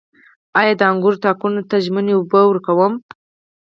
آیا د انګورو تاکونو ته ژمنۍ اوبه ورکړم؟